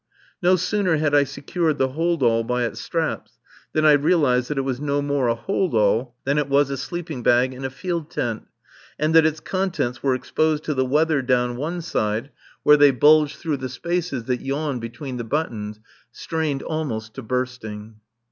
No sooner had I secured the hold all by its straps than I realized that it was no more a hold all than it was a sleeping bag and a field tent, and that its contents were exposed to the weather down one side, where they bulged through the spaces that yawned between the buttons, strained almost to bursting.